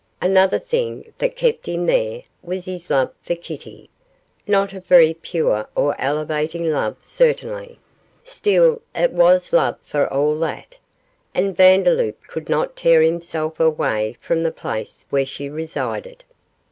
Another thing that kept him there was his love for Kitty not a very pure or elevating love certainly, still it was love for all that, and Vandeloup could not tear himself away from the place where she resided.